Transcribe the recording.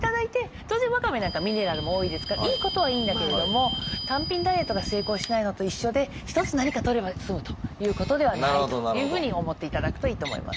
当然ワカメなんかはミネラルも多いですからいいことはいいんだけれども単品ダイエットが成功しないのと一緒で一つ何かとれば済むということではないというふうに思っていただくといいと思います。